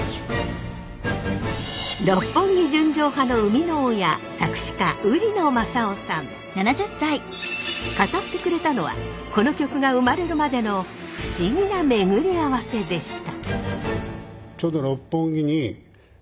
「六本木純情派」の生みの親語ってくれたのはこの曲が生まれるまでの不思議な巡り合わせでした。